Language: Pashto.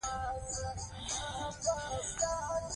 د ځوانانو استعدادونه وپېژنئ.